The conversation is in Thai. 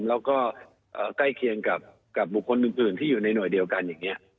แล้วก็ใกล้เคียงกับบุคคลอื่นที่อยู่ในหน่วยเดียวกันอย่างนี้